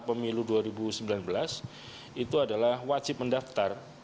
pemilu dua ribu sembilan belas itu adalah wajib mendaftar